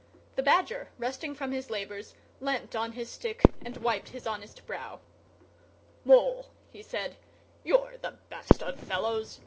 The Badger, resting from his labours, leant on his stick and wiped his honest brow. "Mole," he said," "you're the best of fellows!